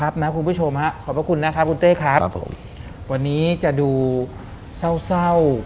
วันนี้จะดูเศร้า